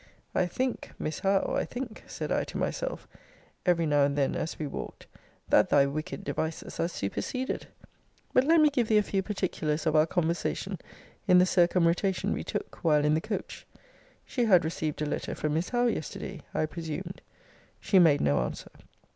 I think, Miss Howe, I think, said I to myself, every now and then as we walked, that thy wicked devices are superceded. But let me give thee a few particulars of our conversation in the circumrotation we took, while in the coach She had received a letter from Miss Howe yesterday, I presumed? She made no answer.